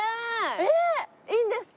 えっいいんですか？